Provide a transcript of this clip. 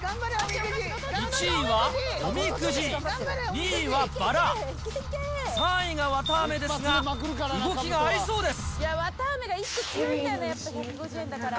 １位はおみくじ、２位はバラ、３位が綿あめですが、動きがありそうです。